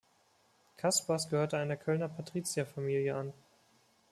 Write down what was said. Caspars gehörte einer Kölner Patrizierfamilie an.